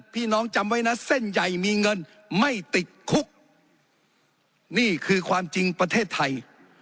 พี่น้องจำไว้นะเส้นใหญ่มีเงินไม่ติดคุกนี่คือความจริงประเทศไทย